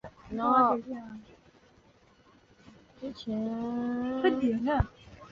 红背山麻杆为大戟科山麻杆属下的一个变种。